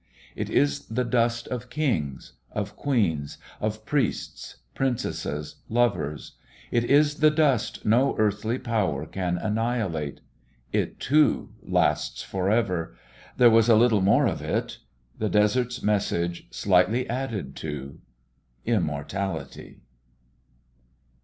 It is the dust of kings, of queens, of priests, princesses, lovers. It is the dust no earthly power can annihilate. It, too, lasts for ever. There was a little more of it ... the desert's message slightly added to: Immortality.